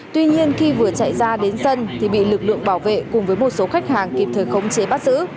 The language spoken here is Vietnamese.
tuy nhiên khi vừa chạy ra đến sân thì bị lực lượng bảo vệ cùng với một số khách hàng kịp thời khống chế bắt giữ